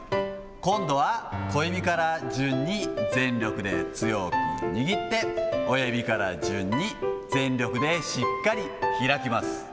今度は小指から順に全力で強く握って、親指から順に全力でしっかり開きます。